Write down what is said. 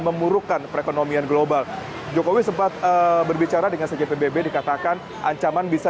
memurukan perekonomian global jokowi sempat berbicara dengan segi pbb dikatakan ancaman bisa